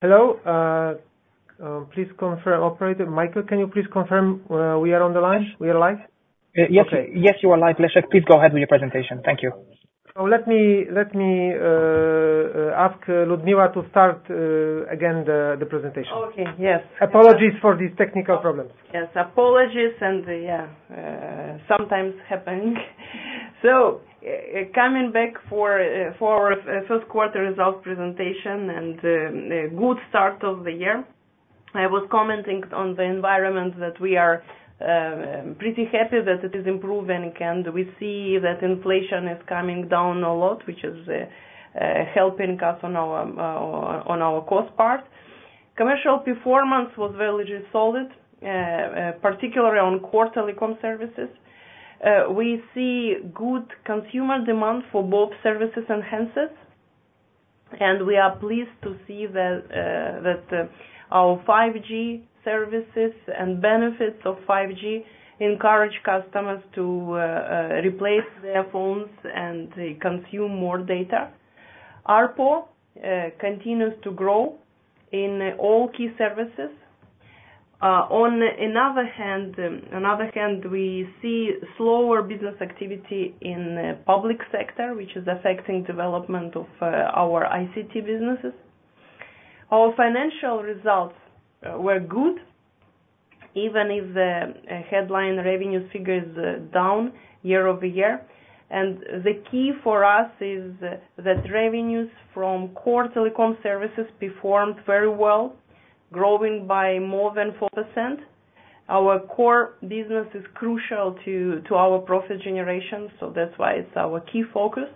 Hello, please confirm, operator. Michael, can you please confirm we are on the line? We are live? Yes, yes, you are live, Leszek. Please go ahead with your presentation. Thank you. So let me ask Liudmila to start again the presentation. Okay, yes. Apologies for these technical problems. Yes, apologies, and yeah, sometimes happening. So, coming back to our first quarter results presentation and good start of the year, I was commenting on the environment that we are pretty happy that it is improving and we see that inflation is coming down a lot, which is helping us on our on our cost part. Commercial performance was very solid, particularly on core telecom services. We see good consumer demand for both services and handsets, and we are pleased to see that our 5G services and benefits of 5G encourage customers to replace their phones and consume more data. ARPU continues to grow in all key services. On another hand, we see slower business activity in the public sector, which is affecting development of our ICT businesses. Our financial results were good, even if the headline revenues figure is down year-over-year. The key for us is that revenues from core telecom services performed very well, growing by more than 4%. Our core business is crucial to our profit generation, so that's why it's our key focus.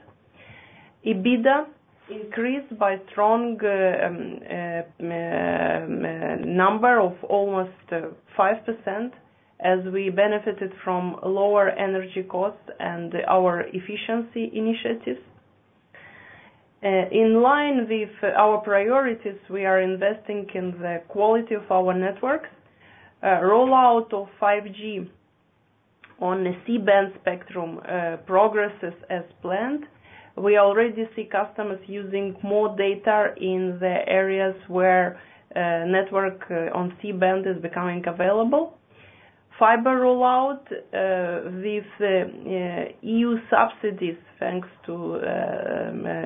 EBITDA increased by a strong number of almost 5% as we benefited from lower energy costs and our efficiency initiatives. In line with our priorities, we are investing in the quality of our networks. Rollout of 5G on the C-band spectrum progresses as planned. We already see customers using more data in the areas where network on C-band is becoming available. Fiber rollout with EU subsidies thanks to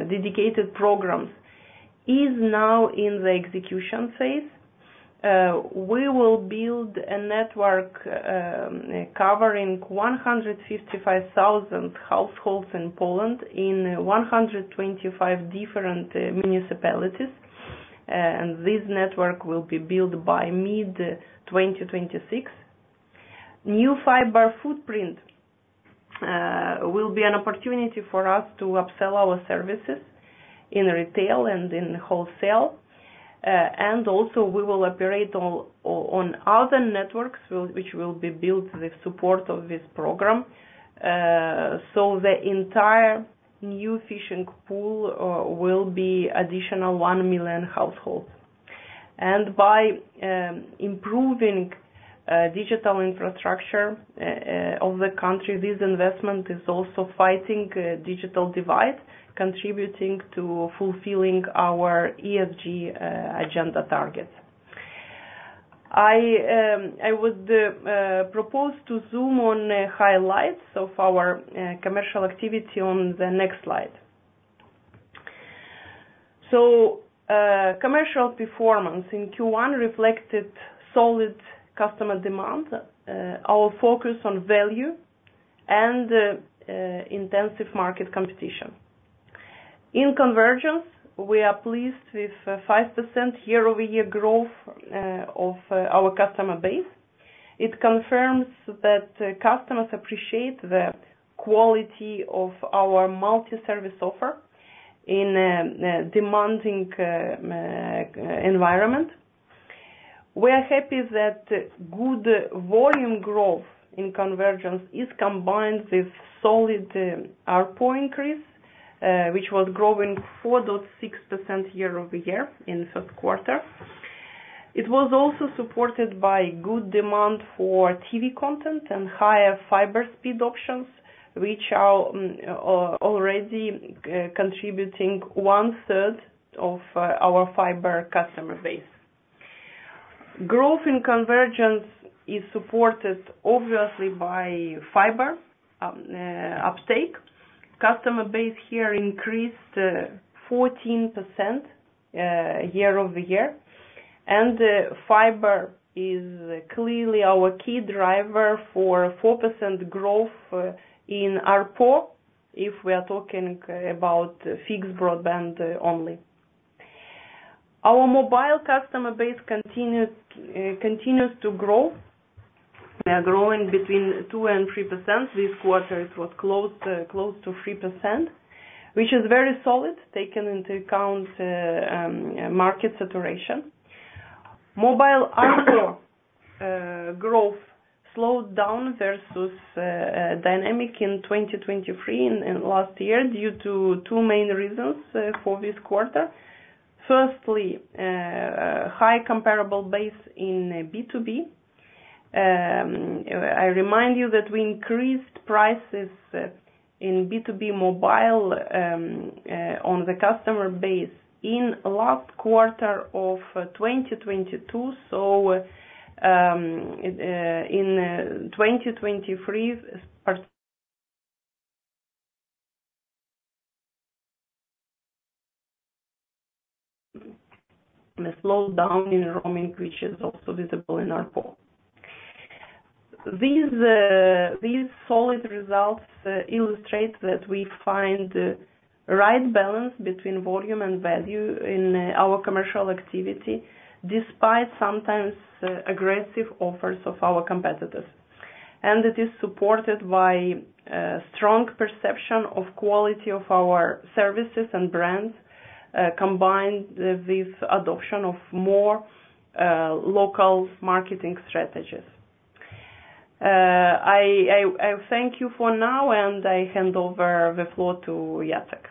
dedicated programs is now in the execution phase. We will build a network covering 155,000 households in Poland in 125 different municipalities, and this network will be built by mid-2026. New fiber footprint will be an opportunity for us to upsell our services in retail and in wholesale, and also we will operate on other networks which will be built with support of this program, so the entire new fishing pool will be additional 1 million households. By improving digital infrastructure of the country, this investment is also fighting digital divide, contributing to fulfilling our ESG agenda targets. I would propose to zoom on highlights of our commercial activity on the next slide. Commercial performance in Q1 reflected solid customer demand, our focus on value, and intensive market competition. In convergence, we are pleased with 5% year-over-year growth of our customer base. It confirms that customers appreciate the quality of our multi-service offer in a demanding environment. We are happy that good volume growth in convergence is combined with solid ARPU increase, which was growing 4.6% year-over-year in the first quarter. It was also supported by good demand for TV content and higher fiber speed options, which are already contributing one-third of our fiber customer base. Growth in convergence is supported, obviously, by fiber uptake. Customer base here increased 14% year-over-year, and fiber is clearly our key driver for 4% growth in ARPU if we are talking about fixed broadband only. Our mobile customer base continues to grow 2%-3%. This quarter it was close to 3%, which is very solid taken into account market saturation. Mobile ARPU growth slowed down versus dynamic in 2023 in last year due to two main reasons for this quarter. Firstly, high comparable base in B2B. I remind you that we increased prices in B2B mobile on the customer base in last quarter of 2022, so in 2023 ARPU slowed down in roaming, which is also visible in ARPU. These solid results illustrate that we find right balance between volume and value in our commercial activity despite sometimes aggressive offers of our competitors. And it is supported by strong perception of quality of our services and brands, combined with adoption of more local marketing strategies. I thank you for now, and I hand over the floor to Jacek.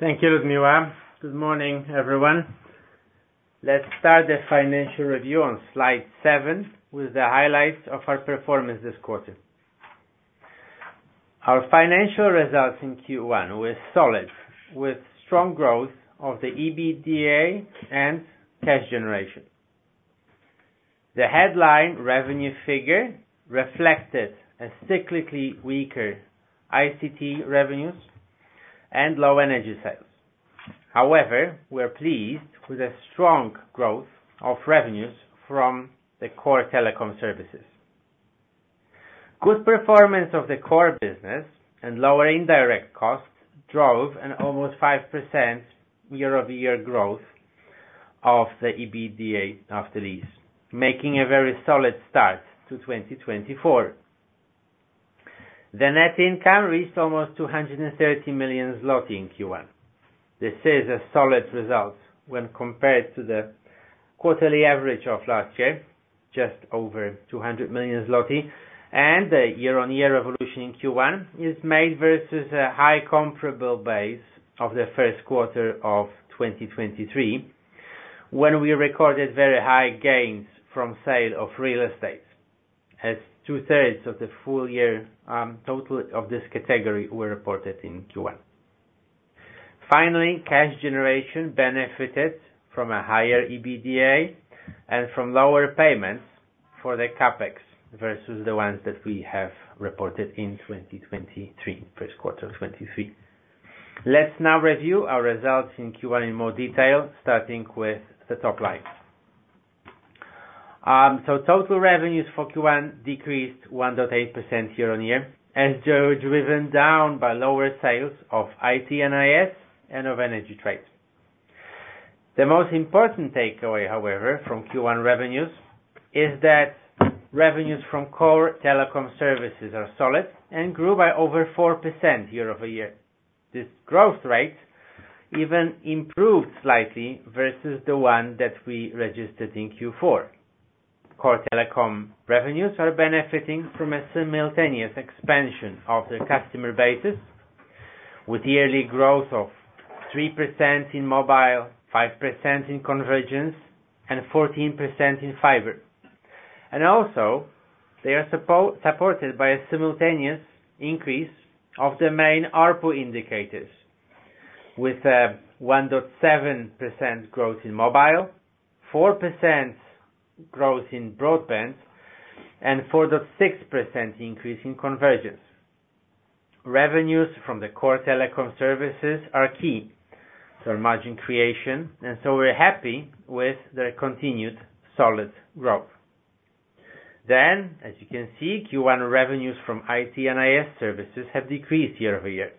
Thank you, Liudmila. Good morning, everyone. Let's start the financial review on slide 7 with the highlights of our performance this quarter. Our financial results in Q1 were solid, with strong growth of the EBITDA and cash generation. The headline revenue figure reflected a cyclically weaker ICT revenues and low energy sales. However, we are pleased with a strong growth of revenues from the core telecom services. Good performance of the core business and lower indirect costs drove an almost 5% year-over-year growth of the EBITDA after lease, making a very solid start to 2024. The net income reached almost 230 million zloty in Q1. This is a solid result when compared to the quarterly average of last year, just over 200 million zloty, and the year-on-year evolution in Q1 is made versus a high comparable base of the first quarter of 2023 when we recorded very high gains from sale of real estate, as two-thirds of the full year total of this category were reported in Q1. Finally, cash generation benefited from a higher EBITDA and from lower payments for the CapEx versus the ones that we have reported in 2023, first quarter of 2023. Let's now review our results in Q1 in more detail, starting with the top line. Total revenues for Q1 decreased 1.8% year-on-year, as driven down by lower sales of IT and IS and of energy trade. The most important takeaway, however, from Q1 revenues is that revenues from core telecom services are solid and grew by over 4% year-over-year. This growth rate even improved slightly versus the one that we registered in Q4. Core telecom revenues are benefiting from a simultaneous expansion of their customer bases, with yearly growth of 3% in mobile, 5% in convergence, and 14% in fiber. And also, they are supported by a simultaneous increase of the main ARPU indicators, with 1.7% growth in mobile, 4% growth in broadband, and 4.6% increase in convergence. Revenues from the core telecom services are key for margin creation, and so we're happy with their continued solid growth. Then, as you can see, Q1 revenues from IT and IS services have decreased year-over-year.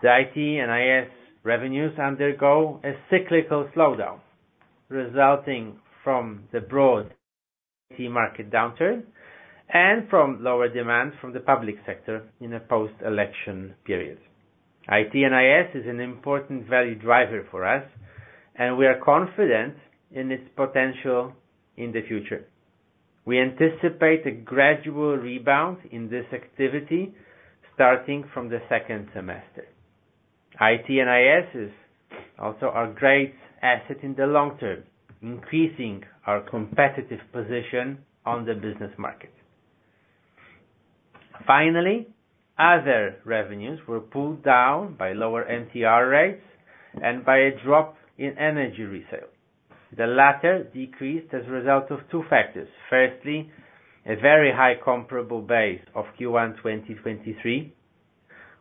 The IT and IS revenues undergo a cyclical slowdown, resulting from the broad IT market downturn and from lower demand from the public sector in a post-election period. IT and IS is an important value driver for us, and we are confident in its potential in the future. We anticipate a gradual rebound in this activity starting from the second semester. IT and IS is also our great asset in the long term, increasing our competitive position on the business market. Finally, other revenues were pulled down by lower MTR rates and by a drop in energy resale. The latter decreased as a result of two factors. Firstly, a very high comparable base of Q1 2023,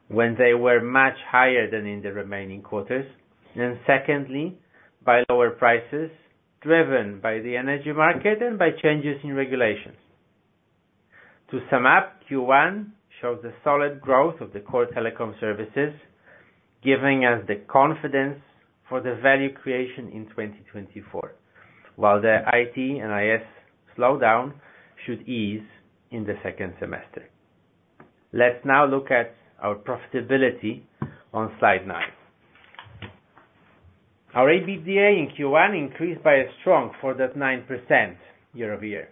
when they were much higher than in the remaining quarters, and secondly, by lower prices driven by the energy market and by changes in regulations. To sum up, Q1 shows a solid growth of the core telecom services, giving us the confidence for the value creation in 2024, while the IT and IS slowdown should ease in the second semester. Let's now look at our profitability on slide 9. Our EBITDA in Q1 increased by a strong 4.9% year-over-year.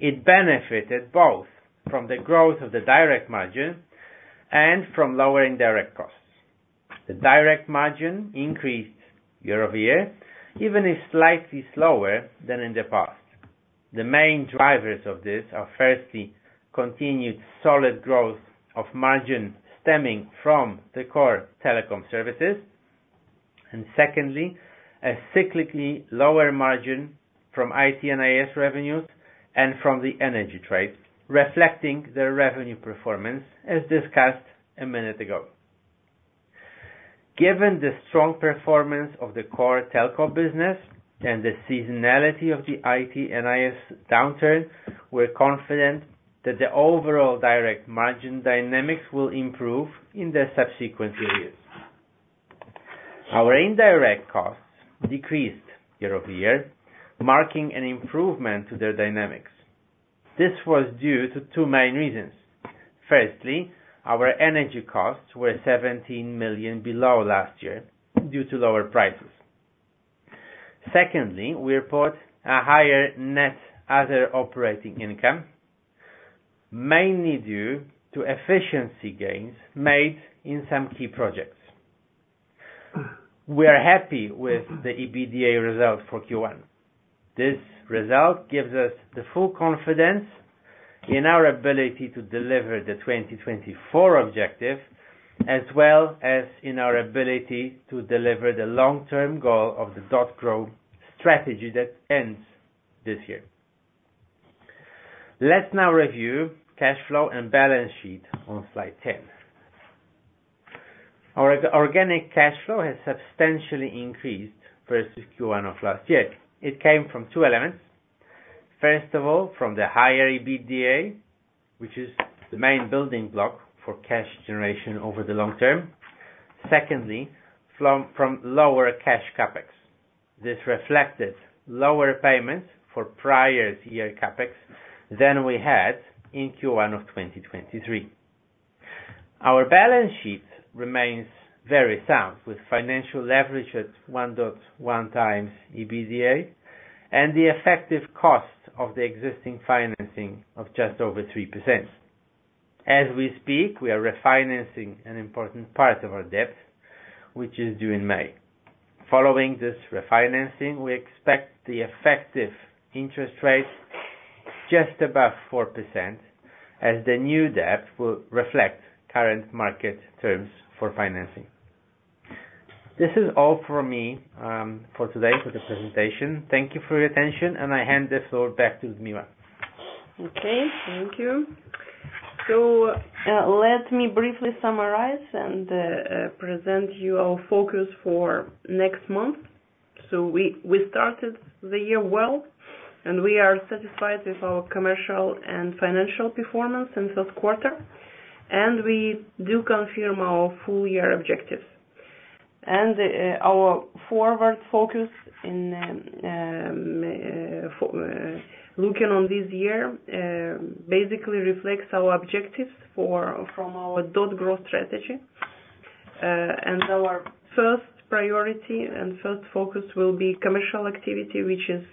It benefited both from the growth of the direct margin and from lower indirect costs. The direct margin increased year-over-year, even if slightly slower than in the past. The main drivers of this are, firstly, continued solid growth of margin stemming from the core telecom services, and secondly, a cyclically lower margin from IT and IS revenues and from the energy trade, reflecting their revenue performance, as discussed a minute ago. Given the strong performance of the core telco business and the seasonality of the IT and IS downturn, we're confident that the overall direct margin dynamics will improve in the subsequent periods. Our indirect costs decreased year-over-year, marking an improvement to their dynamics. This was due to two main reasons. Firstly, our energy costs were 17 million below last year due to lower prices. Secondly, we report a higher net other operating income, mainly due to efficiency gains made in some key projects. We are happy with the EBITDA result for Q1. This result gives us the full confidence in our ability to deliver the 2024 objective, as well as in our ability to deliver the long-term goal of the .Grow strategy that ends this year. Let's now review cash flow and balance sheet on slide 10. Our organic cash flow has substantially increased versus Q1 of last year. It came from two elements. First of all, from the higher EBITDA, which is the main building block for cash generation over the long term. Secondly, from lower cash CapEx. This reflected lower payments for prior year CapEx than we had in Q1 of 2023. Our balance sheet remains very sound, with financial leverage at 1.1 times EBITDA and the effective cost of the existing financing of just over 3%. As we speak, we are refinancing an important part of our debt, which is due in May. Following this refinancing, we expect the effective interest rate just above 4%, as the new debt will reflect current market terms for financing. This is all for me, for today, for the presentation. Thank you for your attention, and I hand the floor back to Liudmila. Okay. Thank you. So, let me briefly summarize and present you our focus for next month. So we started the year well, and we are satisfied with our commercial and financial performance in the first quarter, and we do confirm our full year objectives. Our forward focus in looking on this year basically reflects our objectives from our .Grow strategy. Our first priority and first focus will be commercial activity, which is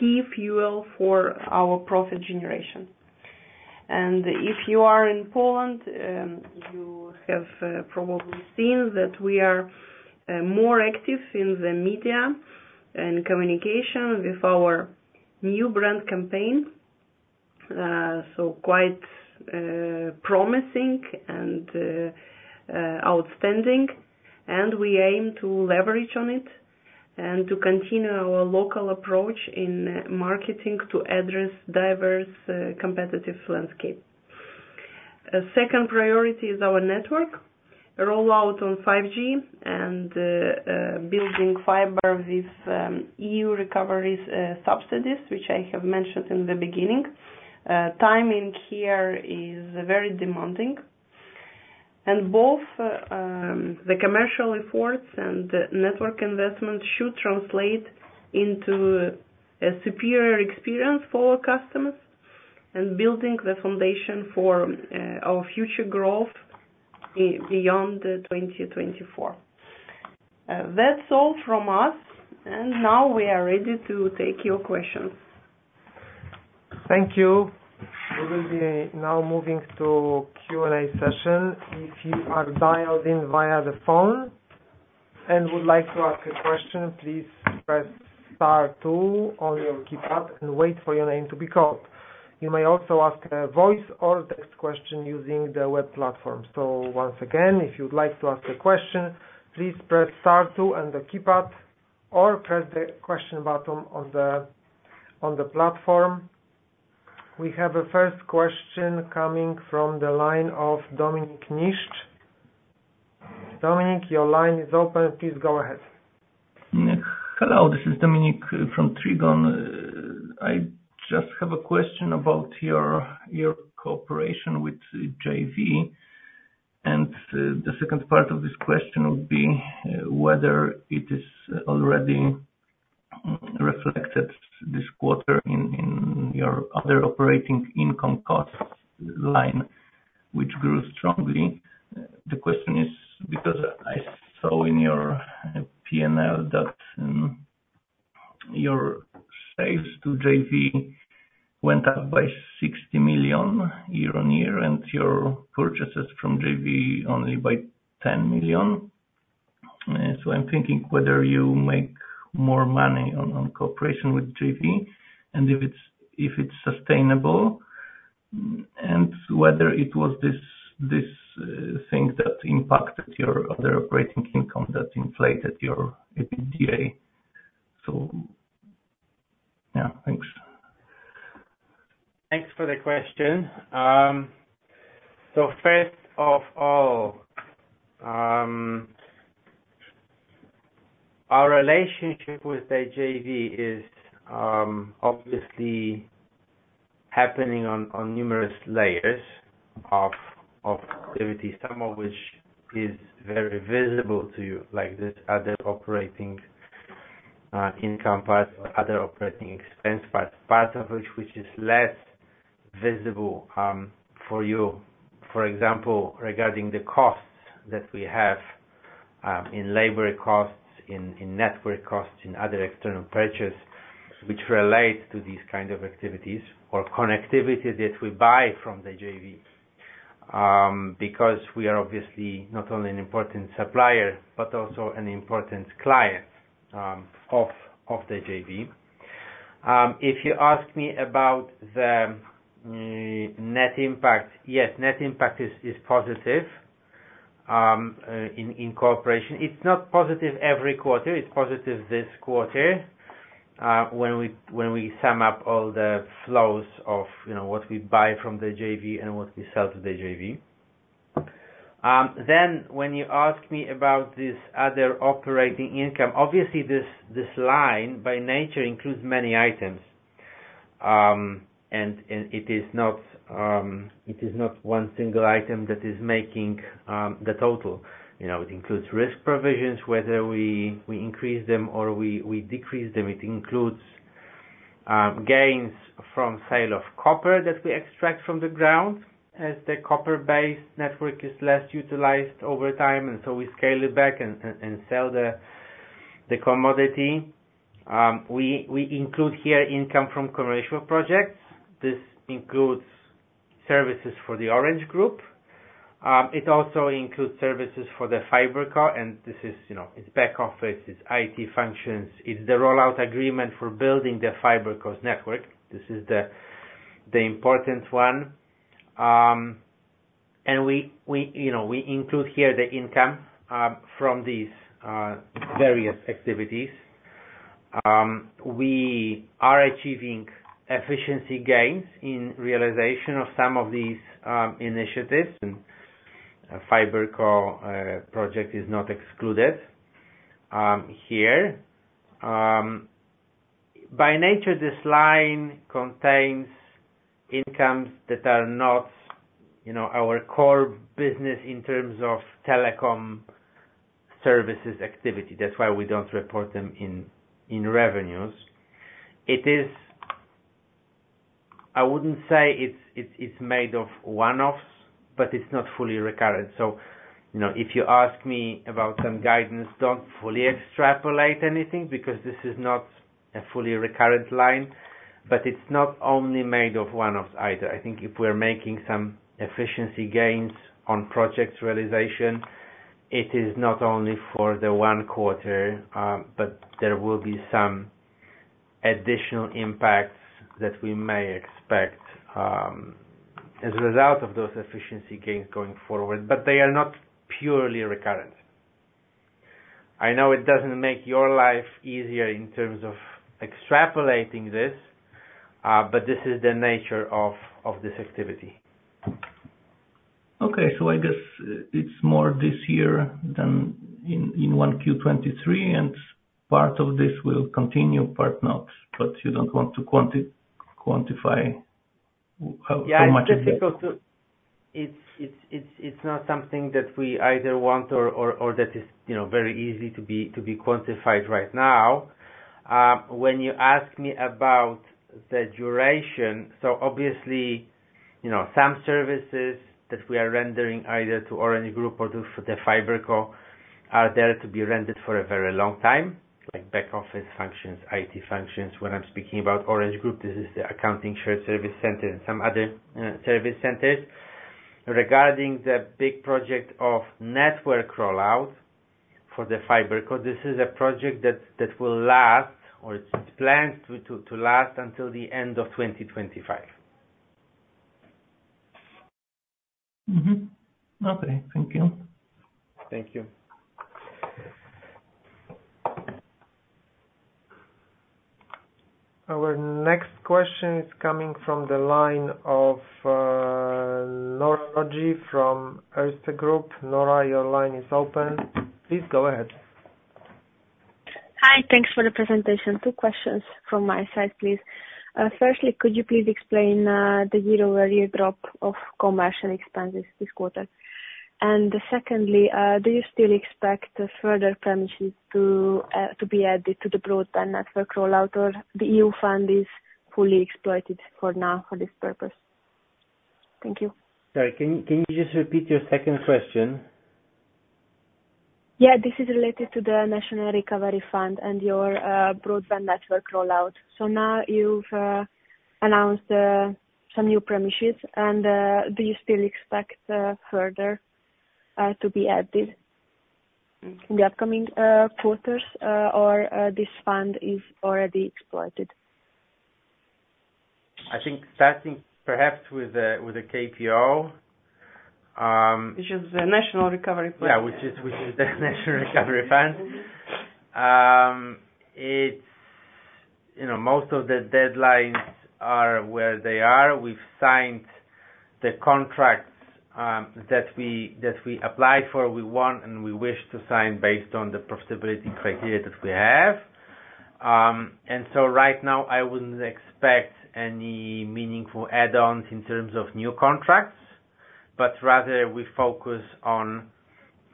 key fuel for our profit generation. If you are in Poland, you have probably seen that we are more active in the media and communication with our new brand campaign, so quite promising and outstanding. We aim to leverage on it and to continue our local approach in marketing to address diverse competitive landscape. Second priority is our network rollout on 5G, and building fiber with EU Recovery subsidies, which I have mentioned in the beginning. Timing here is very demanding. Both the commercial efforts and network investments should translate into a superior experience for our customers and building the foundation for our future growth beyond 2024. That's all from us, and now we are ready to take your questions. Thank you. We will be now moving to Q&A session. If you are dialed in via the phone and would like to ask a question, please press star two on your keypad and wait for your name to be called. You may also ask a voice or text question using the web platform. So once again, if you'd like to ask a question, please press star two on the keypad or press the question button on the platform. We have a first question coming from the line of Dominik Niszcz. Dominik, your line is open. Please go ahead. Hello. This is Dominik from Trigon. I just have a question about your, your cooperation with JV. And, the second part of this question would be, whether it is already, reflected this quarter in, in your other operating income costs line, which grew strongly. The question is because I saw in your, P&L that, your sales to JV went up by 60 million year-on-year, and your purchases from JV only by 10 million. So I'm thinking whether you make more money on, on cooperation with JV and if it's if it's sustainable, and whether it was this, this, thing that impacted your other operating income that inflated your EBITDA. So, yeah. Thanks. Thanks for the question. So first of all, our relationship with JV is obviously happening on numerous layers of activity, some of which is very visible to you, like this other operating income part, other operating expense part, part of which which is less visible for you. For example, regarding the costs that we have in labor costs, in network costs, in other external purchase, which relate to these kind of activities or connectivity that we buy from the JV, because we are obviously not only an important supplier but also an important client of the JV. If you ask me about the net impact, yes, net impact is positive in cooperation. It's not positive every quarter. It's positive this quarter, when we sum up all the flows of, you know, what we buy from the JV and what we sell to the JV. Then when you ask me about this other operating income, obviously, this line by nature includes many items, and it is not one single item that is making the total. You know, it includes risk provisions, whether we increase them or we decrease them. It includes gains from sale of copper that we extract from the ground, as the copper-based network is less utilized over time, and so we scale it back and sell the commodity. We include here income from commercial projects. This includes services for the Orange Group. It also includes services for the FiberCo, and this is, you know, it's back office, it's IT functions, it's the rollout agreement for building the FiberCo network. This is the important one. And we, you know, we include here the income from these various activities. We are achieving efficiency gains in realization of some of these initiatives. And FiberCo project is not excluded here. By nature, this line contains incomes that are not, you know, our core business in terms of telecom services activity. That's why we don't report them in revenues. It is. I wouldn't say it's made of one-offs, but it's not fully recurrent. So, you know, if you ask me about some guidance, don't fully extrapolate anything because this is not a fully recurrent line. But it's not only made of one-offs either. I think if we're making some efficiency gains on project realization, it is not only for the one quarter, but there will be some additional impacts that we may expect, as a result of those efficiency gains going forward. But they are not purely recurrent. I know it doesn't make your life easier in terms of extrapolating this, but this is the nature of this activity. Okay. So I guess it's more this year than in 1Q 2023, and part of this will continue, part not. But you don't want to quantify how much it is. Yeah. It's difficult. It's not something that we either want or that is, you know, very easy to be quantified right now. When you ask me about the duration, so obviously, you know, some services that we are rendering either to Orange Group or to the FiberCo are there to be rendered for a very long time, like back office functions, IT functions. When I'm speaking about Orange Group, this is the accounting shared service center and some other service centers. Regarding the big project of network rollout for the FiberCo, this is a project that will last, or it's planned to last until the end of 2025. Mm-hmm. Okay. Thank you. Thank you. Our next question is coming from the line of Nóra Nagy from Erste Group. Nora, your line is open. Please go ahead. Hi. Thanks for the presentation. Two questions from my side, please. Firstly, could you please explain the year-over-year drop of commercial expenses this quarter? Secondly, do you still expect further premises to be added to the broadband network rollout, or the EU fund is fully exploited for now for this purpose? Thank you. Sorry. Can you just repeat your second question? Yeah. This is related to the National Recovery Fund and your broadband network rollout. So now you've announced some new premises. Do you still expect further to be added in the upcoming quarters, or this fund is already exploited? I think starting perhaps with a KPO, Which is the National Recovery Plan. Yeah, which is the National Recovery Fund. It's, you know, most of the deadlines are where they are. We've signed the contracts that we applied for. We want and we wish to sign based on the profitability criteria that we have. And so right now, I wouldn't expect any meaningful add-ons in terms of new contracts. But rather, we focus on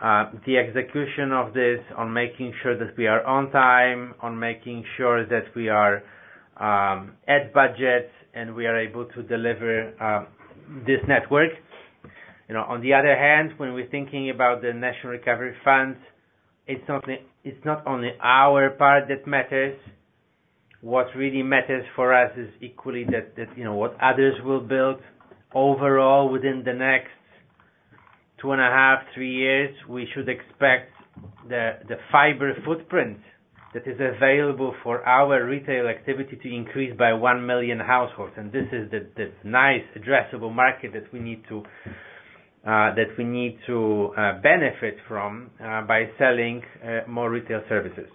the execution of this, on making sure that we are on time, on making sure that we are at budget, and we are able to deliver this network. You know, on the other hand, when we're thinking about the National Recovery Fund, it's not only our part that matters. What really matters for us is equally that, you know, what others will build. Overall, within the next 2.5-3 years, we should expect the fiber footprint that is available for our retail activity to increase by one million households. And this is the nice addressable market that we need to benefit from by selling more retail services.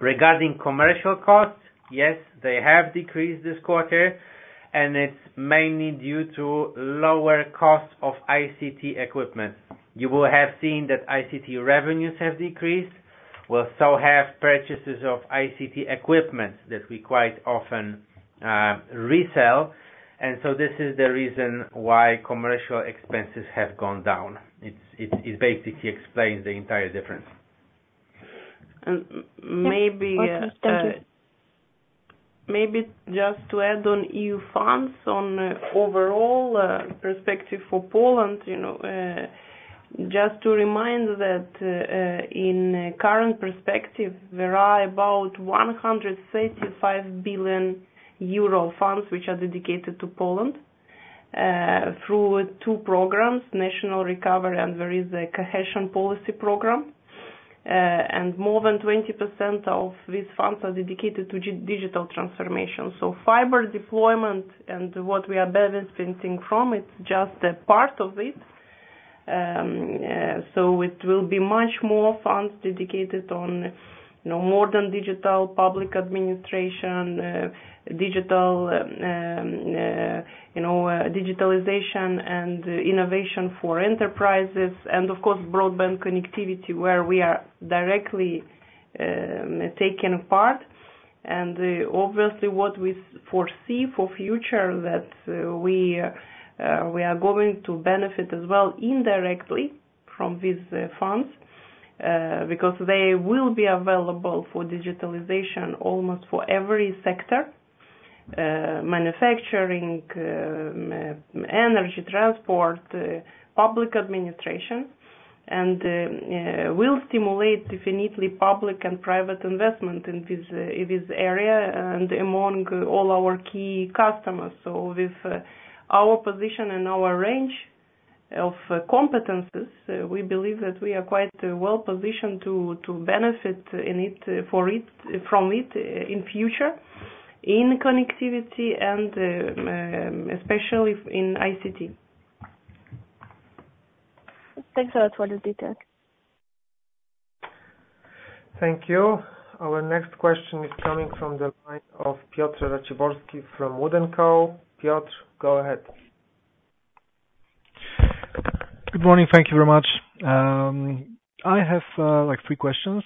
Regarding commercial costs, yes, they have decreased this quarter, and it's mainly due to lower cost of ICT equipment. You will have seen that ICT revenues have decreased. We also have purchases of ICT equipment that we quite often resell. And so this is the reason why commercial expenses have gone down. It basically explains the entire difference. And maybe, That's all. Thank you. Maybe just to add on EU funds on, overall, perspective for Poland, you know, just to remind that, in current perspective, there are about 135 billion euro funds which are dedicated to Poland, through two programs, National Recovery, and there is a cohesion policy program. More than 20% of these funds are dedicated to digital transformation. So fiber deployment and what we are benefiting from, it's just a part of it. It will be much more funds dedicated on, you know, modern digital, public administration, digital, you know, digitalization and innovation for enterprises, and of course, broadband connectivity where we are directly taking part. Obviously, what we foresee for future, we are going to benefit as well indirectly from these funds, because they will be available for digitalization almost for every sector, manufacturing, energy, transport, public administration, and will stimulate definitely public and private investment in this area and among all our key customers. So, with our position and our range of competencies, we believe that we are quite well-positioned to benefit from it in future in connectivity and especially in ICT. Thanks a lot for the details. Thank you. Our next question is coming from the line of Piotr Raciborski from WOOD & Co. Piotr, go ahead. Good morning. Thank you very much. I have, like, three questions.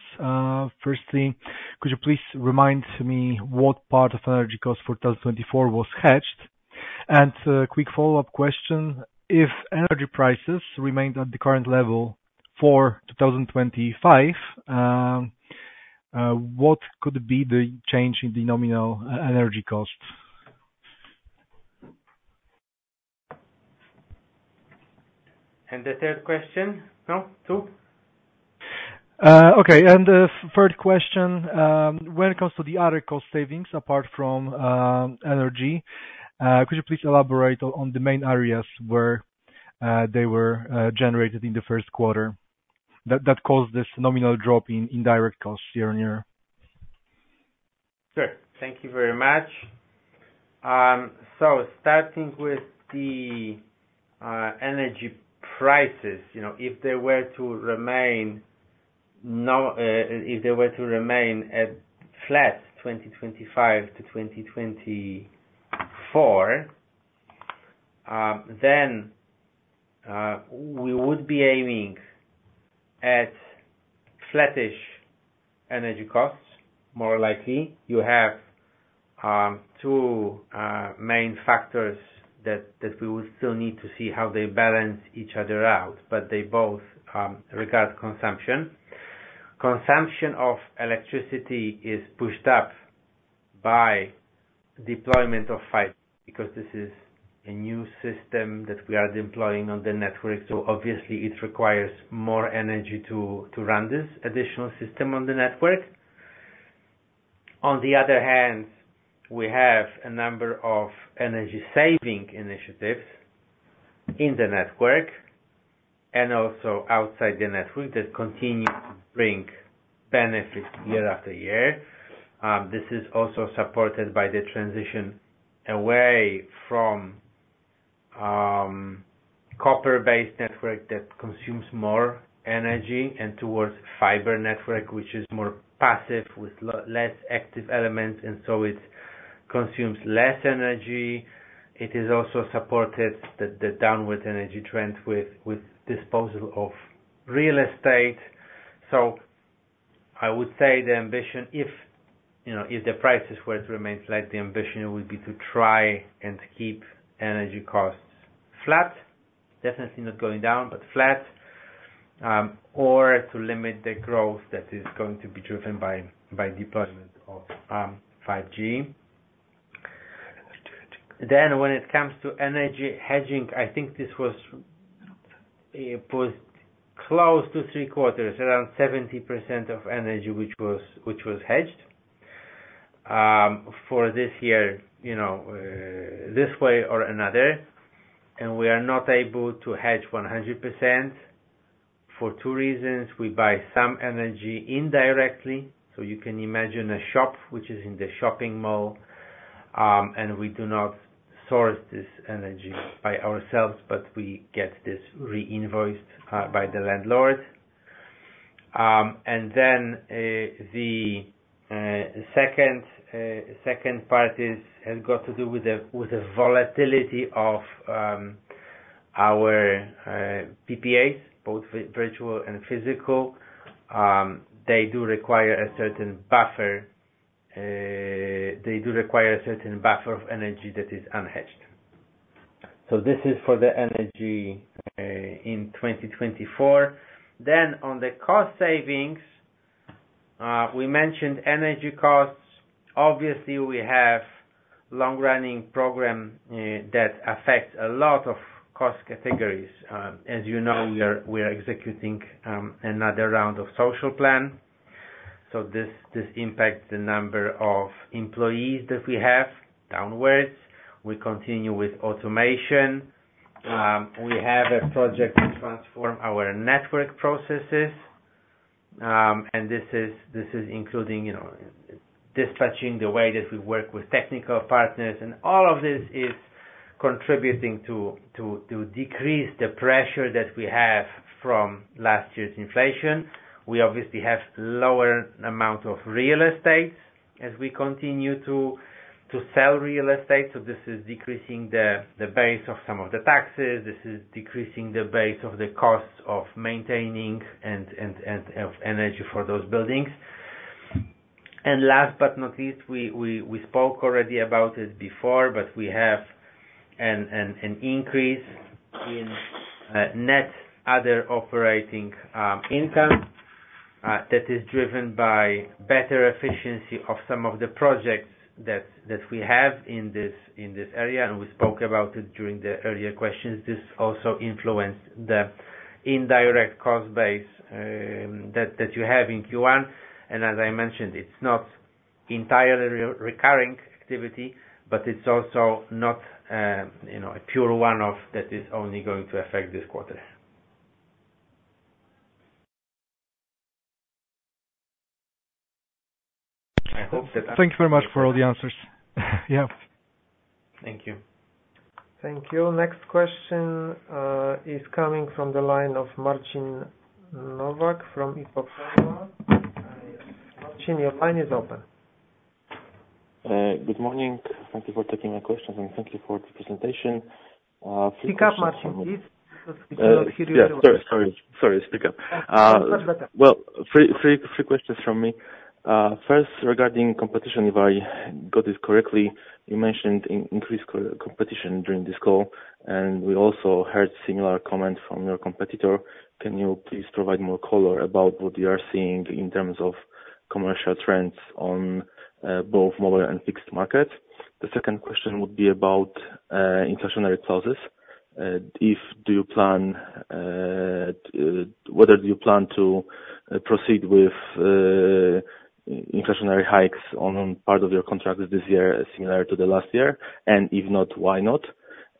Firstly, could you please remind me what part of energy costs for 2024 was hedged? And a quick follow-up question. If energy prices remained at the current level for 2025, what could be the change in the nominal energy cost? The third question? No? Two? Okay. And the third question, when it comes to the other cost savings apart from energy, could you please elaborate on the main areas where they were generated in the first quarter that caused this nominal drop in direct costs year-on-year? Sure. Thank you very much. So starting with the energy prices, you know, if they were to remain at flat 2025 to 2024, then we would be aiming at flattish energy costs, more likely. You have two main factors that we would still need to see how they balance each other out, but they both regard consumption. Consumption of electricity is pushed up by deployment of fiber because this is a new system that we are deploying on the network. So obviously, it requires more energy to run this additional system on the network. On the other hand, we have a number of energy-saving initiatives in the network and also outside the network that continue to bring benefits year after year. This is also supported by the transition away from copper-based network that consumes more energy and towards fiber network, which is more passive with less active elements, and so it consumes less energy. It is also supported by the downward energy trend with disposal of real estate. So I would say the ambition if, you know, if the prices were to remain flat, the ambition would be to try and keep energy costs flat, definitely not going down, but flat, or to limit the growth that is going to be driven by deployment of 5G. Then when it comes to energy hedging, I think this was close to three quarters, around 70% of energy, which was hedged, for this year, you know, this way or another. And we are not able to hedge 100% for two reasons. We buy some energy indirectly. So you can imagine a shop which is in the shopping mall, and we do not source this energy by ourselves, but we get this reinvoiced by the landlord. And then, the second part has got to do with the volatility of our PPAs, both virtual and physical. They do require a certain buffer of energy that is unhedged. So this is for the energy in 2024. Then on the cost savings, we mentioned energy costs. Obviously, we have a long-running program that affects a lot of cost categories. As you know, we are executing another round of social plan. So this impacts the number of employees that we have downwards. We continue with automation. We have a project to transform our network processes. This is including, you know, dispatching the way that we work with technical partners. All of this is contributing to decrease the pressure that we have from last year's inflation. We obviously have lower amount of real estate as we continue to sell real estate. So this is decreasing the base of some of the taxes. This is decreasing the base of the costs of maintaining and of energy for those buildings. Last but not least, we spoke already about it before, but we have an increase in net other operating income that is driven by better efficiency of some of the projects that we have in this area. We spoke about it during the earlier questions. This also influenced the indirect cost base that you have in Q1. As I mentioned, it's not entirely recurring activity, but it's also not, you know, a pure one-off that is only going to affect this quarter. I hope that. Thank you very much for all the answers. Yeah. Thank you. Thank you. Next question is coming from the line of Marcin Nowak from IPOPEMA. Marcin, your line is open. Good morning. Thank you for taking my questions, and thank you for the presentation. Please speak from. Speak up, Marcin. I'm sorry. Yeah. Sorry, sorry. Sorry. Speak up. Much better. Well, three questions from me. First, regarding competition, if I got this correctly, you mentioned increased co-opetition during this call, and we also heard similar comments from your competitor. Can you please provide more color about what you are seeing in terms of commercial trends on both mobile and fixed markets? The second question would be about inflationary clauses. Whether do you plan to proceed with inflationary hikes on part of your contracts this year similar to last year? And if not, why not?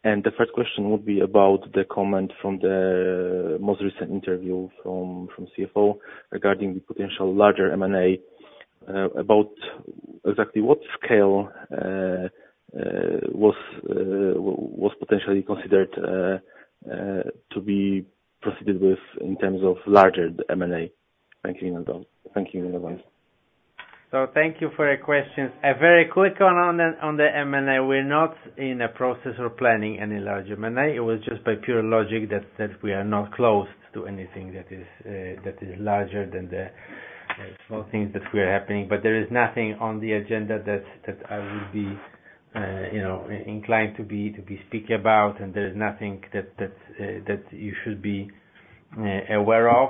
And the first question would be about the comment from the most recent interview from CFO regarding the potential larger M&A, about exactly what scale was potentially considered to be proceeded with in terms of larger M&A. Thank you, everyone. So thank you for your questions. A very quick one on the M&A. We're not in a process or planning any large M&A. It was just by pure logic that we are not closed to anything that is larger than the small things that we are happening. But there is nothing on the agenda that I would be, you know, inclined to speak about, and there is nothing that you should be aware of.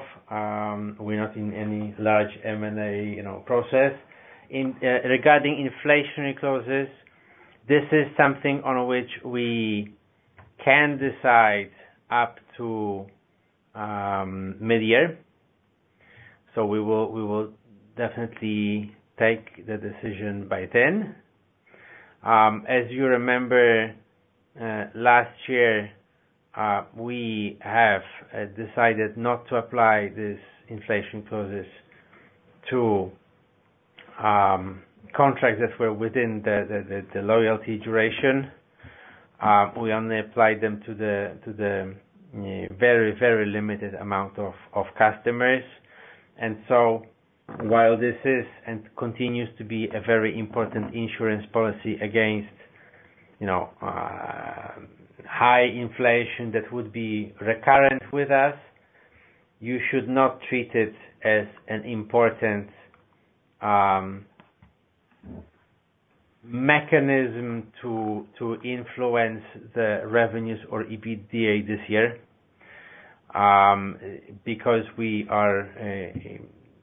We're not in any large M&A, you know, process. Regarding inflationary clauses, this is something on which we can decide up to mid-year. So we will definitely take the decision by then. As you remember, last year we decided not to apply these inflation clauses to contracts that were within the loyalty duration. We only applied them to the very, very limited amount of customers. And so while this is and continues to be a very important insurance policy against, you know, high inflation that would be recurrent with us, you should not treat it as an important mechanism to influence the revenues or EBITDA this year, because we are,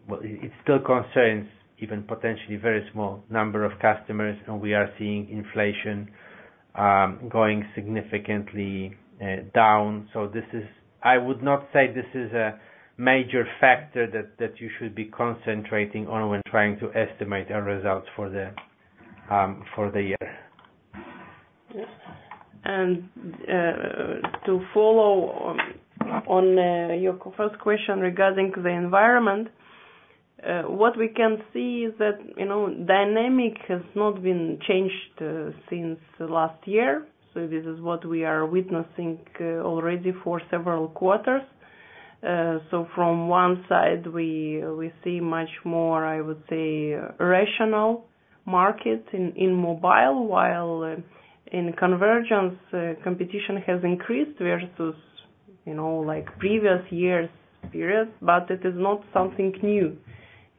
well, it still concerns even potentially very small number of customers, and we are seeing inflation going significantly down. So this, I would not say, is a major factor that you should be concentrating on when trying to estimate our results for the year. To follow on your first question regarding the environment, what we can see is that, you know, dynamic has not been changed since last year. So this is what we are witnessing already for several quarters. So from one side, we see much more, I would say, rational market in mobile, while in convergence, competition has increased versus, you know, like previous years' period. But it is not something new.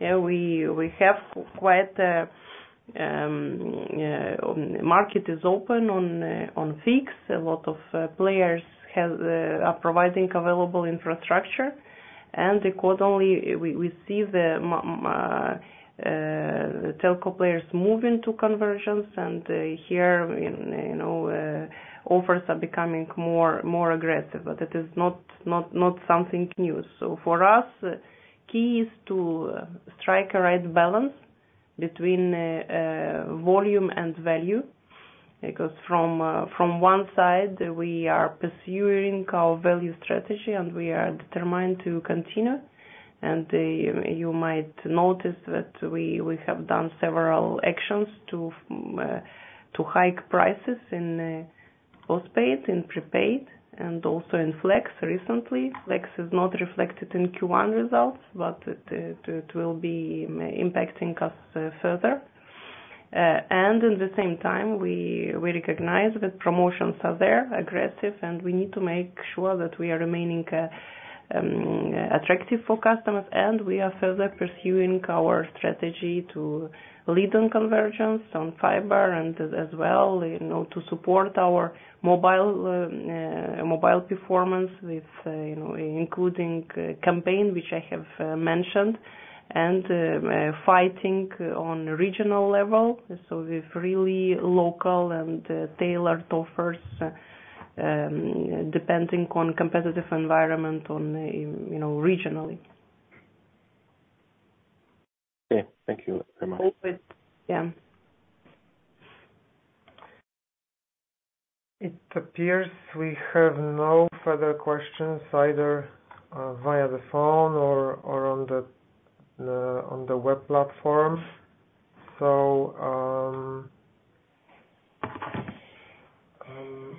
Yeah. We have quite a market is open on fixed. A lot of players are providing available infrastructure. And accordingly, we see the [inaudible] telco players moving to convergence. And here, you know, offers are becoming more aggressive. But it is not something new. So for us, the key is to strike a right balance between volume and value because from one side, we are pursuing our value strategy, and we are determined to continue. You might notice that we have done several actions to hike prices in postpaid, in prepaid, and also in flex recently. Flex is not reflected in Q1 results, but it will be impacting us further. In the same time, we recognize that promotions are there, aggressive, and we need to make sure that we are remaining attractive for customers. We are further pursuing our strategy to lead on convergence on fiber and as well, you know, to support our mobile performance with you know, including campaign, which I have mentioned, and fighting on regional level. With really local and tailored offers, depending on competitive environment on, you know, regionally. Okay. Thank you very much. Hopefully, yeah. It appears we have no further questions either, via the phone or on the web platform. So,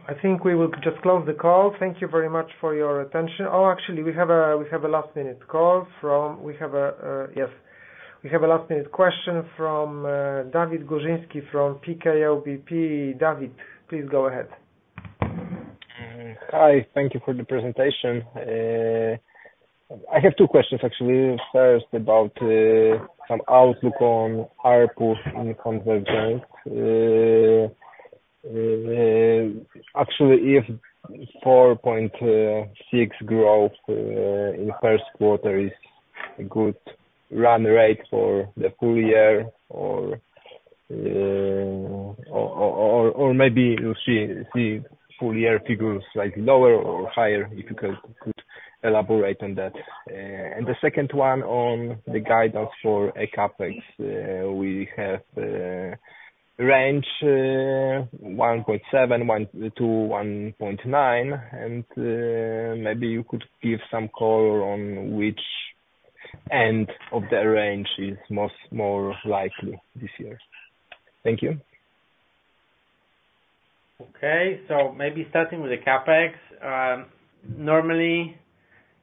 I think we will just close the call. Thank you very much for your attention. Oh, actually, we have a last-minute question from Dawid Górzyński from PKO BP. David, please go ahead. Hi. Thank you for the presentation. I have two questions, actually. First about some outlook on our push in convergence. Actually, if 4.6% growth in first quarter is a good run rate for the full year or maybe you'll see full-year figures slightly lower or higher. If you could elaborate on that. And the second one on the guidance for eCAPEX, we have range 1.7-1.9. And maybe you could give some color on which end of the range is more likely this year. Thank you. Okay. So maybe starting with eCAPEX. Normally,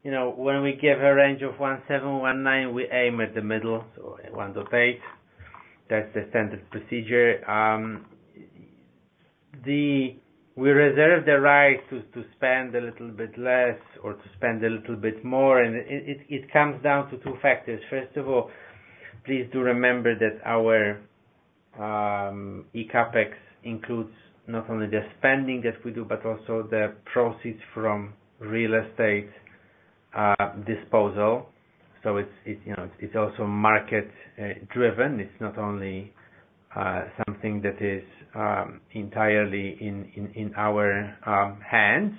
you know, when we give a range of 1.7-1.9, we aim at the middle, so 1.8. That's the standard procedure. We reserve the right to spend a little bit less or to spend a little bit more. And it comes down to two factors. First of all, please do remember that our eCAPEX includes not only the spending that we do but also the proceeds from real estate disposal. So it's you know, it's also market-driven. It's not only something that is entirely in our hands.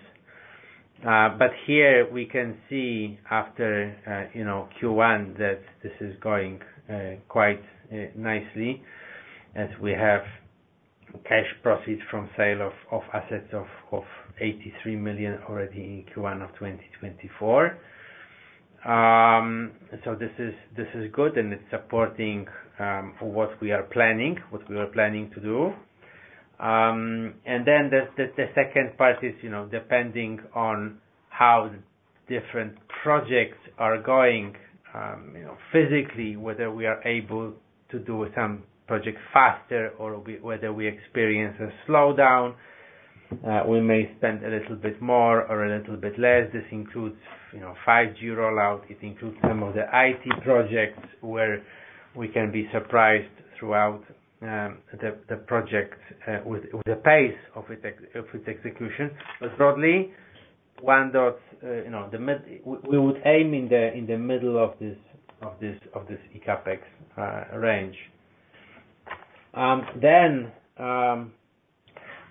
But here, we can see after you know, Q1 that this is going quite nicely as we have cash proceeds from sale of assets of 83 million already in Q1 of 2024. So this is good, and it's supporting what we are planning to do. And then the second part is, you know, depending on how different projects are going, you know, physically, whether we are able to do some projects faster or whether we experience a slowdown, we may spend a little bit more or a little bit less. This includes, you know, 5G rollout. It includes some of the IT projects where we can be surprised throughout the project with the pace of its execution. But broadly, you know, we would aim in the middle of this eCAPEX range. Then,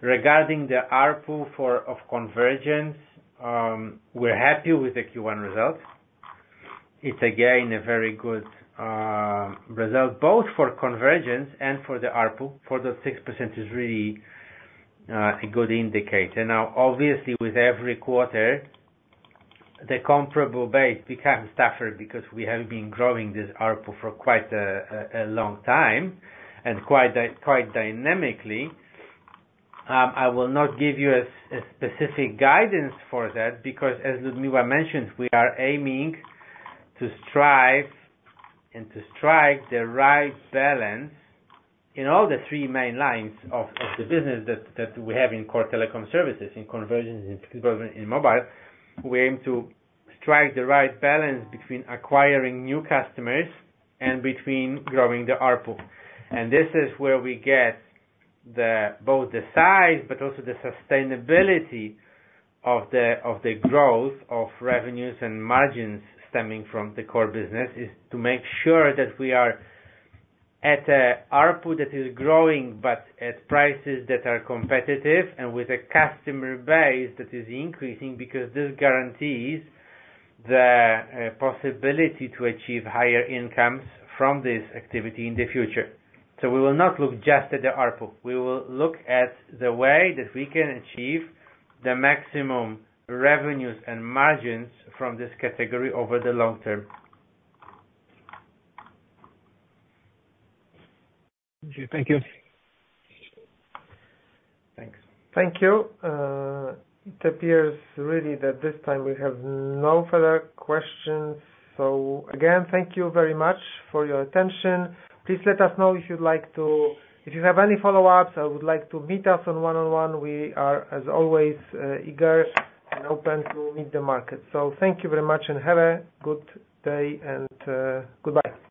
regarding the ARPU for convergence, we're happy with the Q1 results. It's, again, a very good result both for convergence and for the ARPU. 4.6% is really a good indicator. Now, obviously, with every quarter, the comparable base becomes tougher because we have been growing this ARPU for quite a long time and quite dynamically. I will not give you a specific guidance for that because, as Liudmila mentioned, we are aiming to strive and to strike the right balance in all the three main lines of the business that we have in core telecom services, in convergence, in fixed broadband, in mobile. We aim to strike the right balance between acquiring new customers and between growing the ARPU. This is where we get both the size but also the sustainability of the growth of revenues and margins stemming from the core business is to make sure that we are at a ARPU that is growing but at prices that are competitive and with a customer base that is increasing because this guarantees the possibility to achieve higher incomes from this activity in the future. So we will not look just at the ARPU. We will look at the way that we can achieve the maximum revenues and margins from this category over the long term. Okay. Thank you. Thanks. Thank you. It appears really that this time, we have no further questions. So again, thank you very much for your attention. Please let us know if you'd like to if you have any follow-ups or would like to meet us on one-on-one. We are, as always, eager and open to meet the market. So thank you very much, and have a good day, and goodbye.